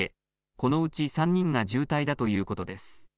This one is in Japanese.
このうち３人が重体だということです。